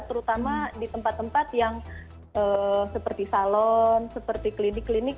terutama di tempat tempat yang seperti salon seperti klinik klinik